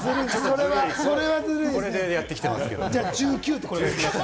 これでやってきてるんですけれども。